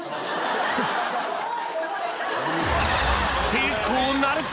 成功なるか？